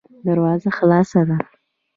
دروازه خلاصه ده.